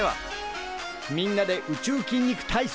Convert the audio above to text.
みんなで宇宙筋肉体操！